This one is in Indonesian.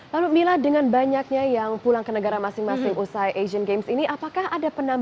lalu mila dengan banyaknya yang pulang ke negara masing masing usai asian games ini apakah ada penambahan